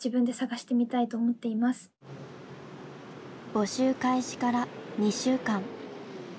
募集開始から２週間。